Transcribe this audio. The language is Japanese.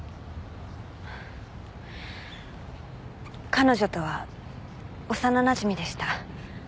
彼女とは幼なじみでした。